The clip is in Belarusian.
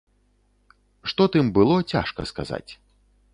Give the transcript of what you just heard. Што тым было, цяжка сказаць.